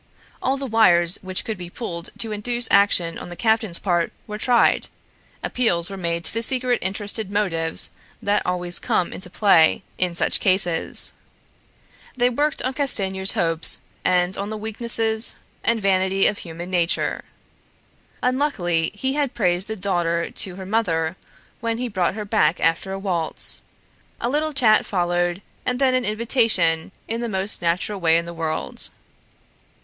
All the wires which could be pulled to induce action on the captain's part were tried; appeals were made to the secret interested motives that always come into play in such cases; they worked on Castanier's hopes and on the weaknesses and vanity of human nature. Unluckily, he had praised the daughter to her mother when he brought her back after a waltz, a little chat followed, and then an invitation in the most natural way in the world.